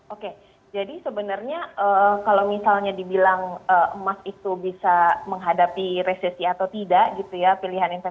oke jadi sebenarnya kalau misalnya dibilang emas itu bisa menghadapi resesi